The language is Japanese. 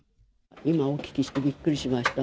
今、お聞きしてびっくりしました。